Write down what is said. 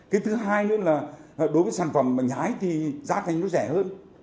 cái thứ hai nữa là đối với sản phẩm mà nhái thì giá thành nó rẻ hơn